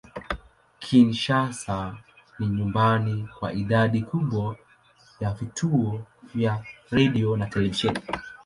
Kinshasa ni nyumbani kwa idadi kubwa ya vituo vya redio na televisheni.